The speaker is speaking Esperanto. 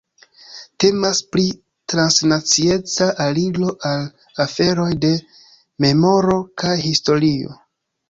Temas pri transnacieca aliro al aferoj de memoro kaj historio.